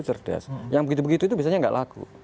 cerdas yang begitu begitu itu bisa enggak laku